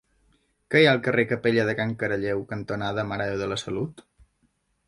Què hi ha al carrer Capella de Can Caralleu cantonada Mare de Déu de la Salut?